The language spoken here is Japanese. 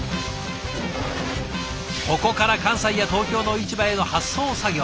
ここから関西や東京の市場への発送作業。